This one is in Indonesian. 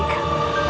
aku akan menangkapmu